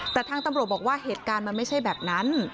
แต่ทางตำรวจบอกว่าเหตุการณ์มันไม่ใช่แบบนั้น